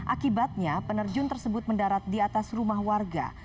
akibatnya penerjun tersebut mendarat di atas rumah warga